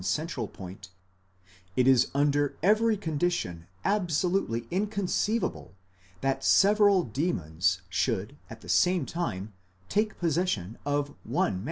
central point: it is under every condition absolutely inconceivable that several demons should at the same time take possession of one man.